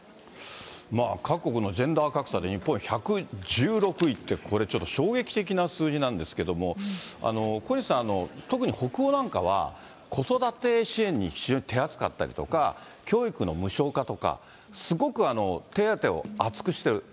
各国のジェンダー格差で、日本は１１６位って、これ、ちょっと衝撃的な数字なんですけれども、小西さん、特に北欧なんかは子育て支援に非常に手厚かったりとか、教育の無償化とか、すごく手当を厚くしてる。